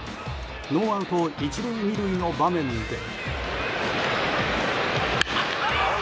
ノーアウト１塁２塁の場面で。